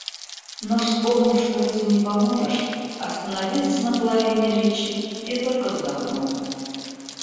Но вспомнив, что этим не поможешь, остановился на половине речи и только вздохнул.